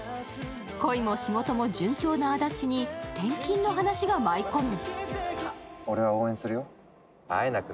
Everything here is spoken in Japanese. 恋も仕事も順調な安達に転勤の話が舞い込む。